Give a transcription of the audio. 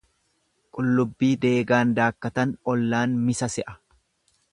Qullubbii deegaan daakkatan ollaan misa se'a.